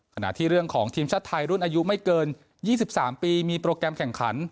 ขณะที่เรื่องของทีมชาติไทยรุ่นอายุไม่เกิน๒๓ปีมีโปรแกรมแข่งขัน